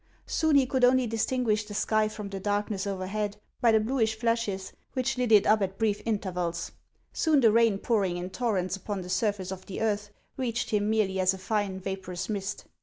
Soon he could only distinguish the sky from the darkness overhead by the bluish flashes which lit it up at brief intervals ; soon the rain pouring in torrents upon the surface of the earth, reached him merely as a fine, vapor ous mist.